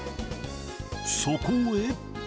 そこへ。